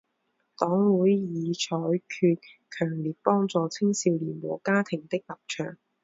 党会议采取强烈帮助青少年和家庭的立场。